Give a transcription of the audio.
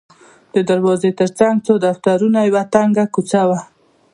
د دروازې ترڅنګ څو دفترونه او یوه تنګه کوڅه وه.